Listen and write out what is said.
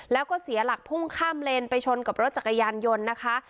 แล้วก็เสียหลักพุ่งข้ามเลนไปชนกับรถจักรยานยนต์นะคะ